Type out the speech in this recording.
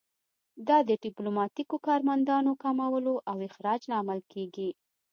دا د ډیپلوماتیکو کارمندانو کمولو او اخراج لامل کیږي